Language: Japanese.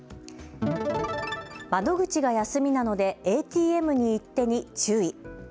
窓口が休みなのでＡＴＭに行ってに注意。